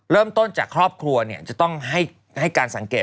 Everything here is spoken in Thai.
เริ่มต้นจากครอบครัวจะต้องให้การสังเกต